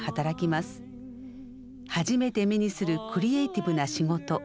初めて目にするクリエイティブな仕事。